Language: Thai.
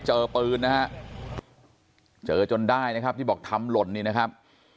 เจอปืนนะฮะเจอจนได้นะครับที่บอกทำหล่นนี่นะครับ